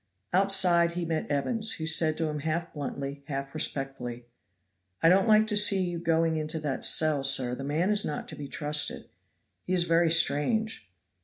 Outside he met Evans, who said to him half bluntly half respectfully, "I don't like to see you going into that cell, sir; the man is not to be trusted. He is very strange."